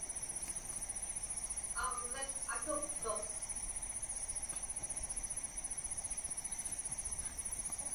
Aġviq atuqtuq.